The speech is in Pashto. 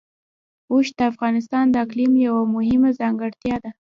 اوښ د افغانستان د اقلیم یوه مهمه ځانګړتیا ده.